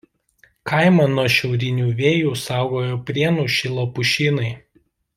Kaimą nuo šiaurinių vėjų saugoja Prienų šilo pušynai.